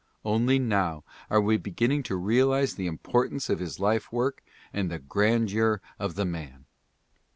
Only now are we beginning to realize the importance of his life work and the grandeur of the man.